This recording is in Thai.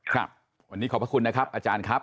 ครับวันนี้ขอบพระคุณนะครับอาจารย์ครับ